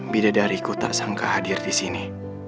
bidadariku tak sangka hadir di sini